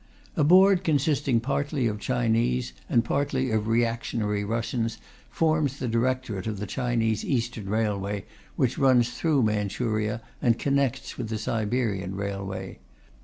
A board consisting partly of Chinese and partly of reactionary Russians forms the directorate of the Chinese Eastern Railway, which runs through Manchuria and connects with the Siberian Railway.